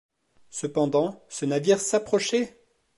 Cependant, ce navire s’approchait !